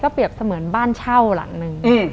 เปรียบเสมือนบ้านเช่าหลังนึง